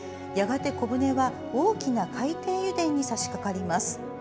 やがて小舟は大きな海底油田に差し掛かります。